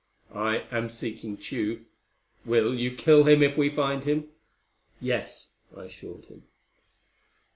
"I am seeking Tugh. Will you kill him if we find him?" "Yes," I assured him.